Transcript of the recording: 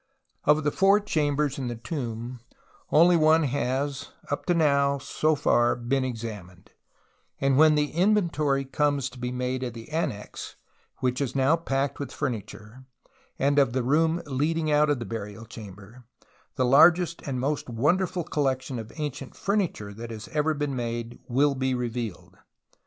Of the four chambers in the tomb only one has up to now so far been examined, and when the inventory comes to be made of the annexe, which is now packed with furniture, and the room leading out of the burial chamber, the THE THEBAN TOxMBS 31 largest and most wonderful collection of ancient furniture that has ever been made will be revealed.